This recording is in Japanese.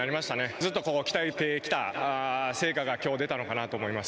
ずっと鍛えてきた成果がきょう出たのかなと思います。